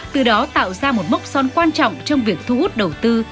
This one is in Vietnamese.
từ đó tạo ra một mốc son quan trọng trong việc thu hút đầu tư